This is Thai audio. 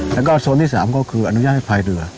แล้วก็โซนที่๓ก็คืออนุญาตให้พายเรือ